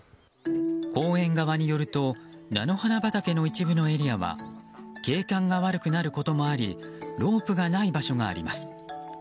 公園側によると菜の花畑の一部のエリアは景観が悪くなることもありロープがない場所があります。